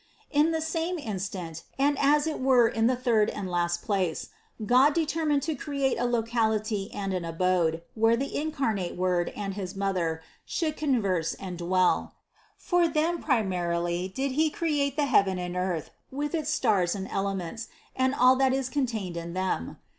In the same in stant, and as it were in the third and last place, God de termined to create a locality and an abode, where the in carnate Word and his Mother should converse and dwell. For Them primarily did He create the heaven and earth with its stars and elements and all that is contained in them.